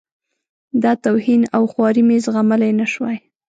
دا توهین او خواري مې زغملای نه شوای.